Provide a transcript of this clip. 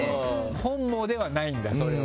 本望ではないんだ、それは。